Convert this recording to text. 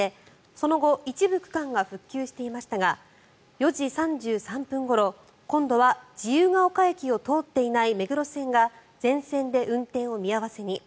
その後、一部区間が復旧していましたが４時３３分ごろ、今度は自由が丘駅を通っていない目黒線が全線で運転を見合わせに。